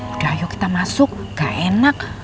udah ayo kita masuk gak enak